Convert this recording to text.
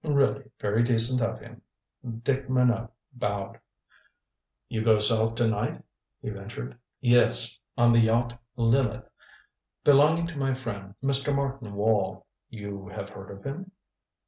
Really, very decent of him. Dick Minot bowed. "You go south to night?" he ventured. "Yes. On the yacht Lileth, belonging to my friend, Mr. Martin Wall. You have heard of him?"